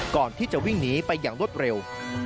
ก่อนที่จะวิ่งหนีไปอย่างรวดเร็ว